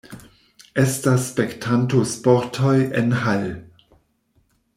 Estas spektanto-sportoj en Hull.